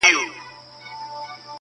پرې کوي به یو د بل غاړي سرونه!!